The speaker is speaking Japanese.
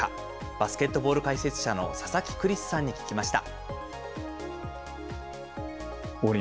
バスケットボール解説者の佐々木クリスさんに聞きました。